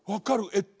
えっと